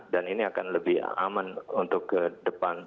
dan ini akan lebih aman untuk ke depan